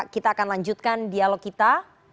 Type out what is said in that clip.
kita akan lanjutkan dialog kita